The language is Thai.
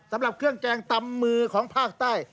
สำหรับเครื่องแกงตำมือของภาคใต้